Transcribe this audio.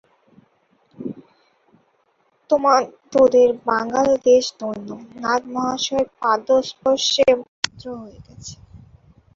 তোদের বাঙাল দেশ ধন্য, নাগ-মহাশয়ের পাদস্পর্শে পবিত্র হয়ে গেছে।